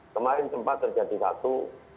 kemarin sempat terjadi satu